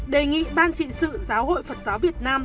đề nghị ban trị sự giáo hội phật giáo việt nam